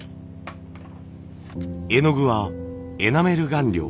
絵の具はエナメル顔料。